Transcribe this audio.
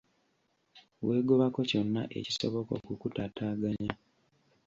Weegobako kyonna ekisobola okukutaataganya.